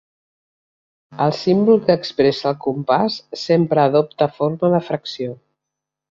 El símbol que expressa el compàs sempre adopta forma de fracció.